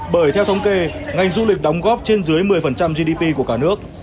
bởi theo thống kê ngành du lịch đóng góp trên dưới một mươi gdp của cả nước